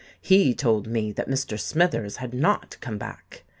He told me that Mr. Smithers had not come back.